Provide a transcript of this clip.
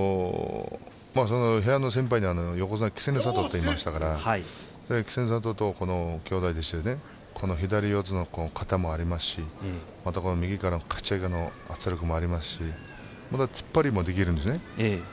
部屋の先輩に横綱・稀勢の里がいましたから稀勢の里と兄弟で左四つの形もありましたから右からのかち上げの圧力もありますし突っ張りもできるんです。